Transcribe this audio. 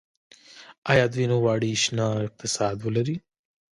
آیا دوی نه غواړي شنه اقتصاد ولري؟